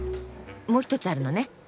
もうひとつあるのね。